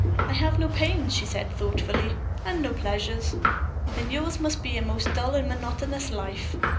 "I have no pains," she said, thoughtfully, "and no pleasures." "Then yours must be a most dull and monotonous life.